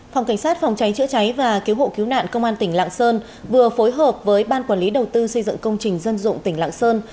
phòng cảnh sát phòng cháy chữa cháy và cứu hộ cứu nạn công an tỉnh lạng sơn vừa phối hợp với ban quản lý đầu tư xây dựng công trình dân dụng tỉnh lạng sơn